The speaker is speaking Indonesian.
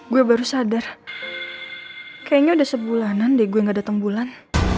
gue baru sadar kayaknya udah sebulanan deh gue gak datang bulan